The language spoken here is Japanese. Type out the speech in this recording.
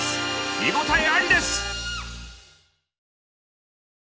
見応えありです！